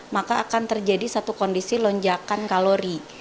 maka akan terjadi satu kondisi lonjakan kalori